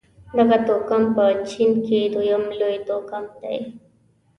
دغه توکم په چين کې دویم لوی توکم دی.